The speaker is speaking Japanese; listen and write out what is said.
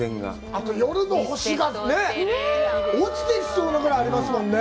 あと、夜の星が落ちてきそうなぐらいありますもんね。